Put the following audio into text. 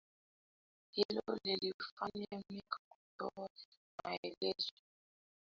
Hilo lilifanya Mike kutoa maelezo yote kuhusu Bongofleva na muziki wa Tanzania kama historia